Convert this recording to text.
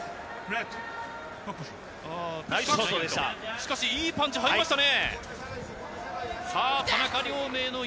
しかしいいパンチが入りましたね。